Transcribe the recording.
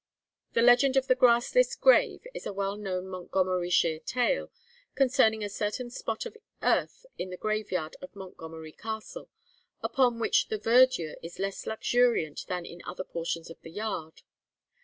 The legend of the Grassless Grave is a well known Montgomeryshire tale, concerning a certain spot of earth in the graveyard of Montgomery Castle, upon which the verdure is less luxuriant than in other portions of the yard.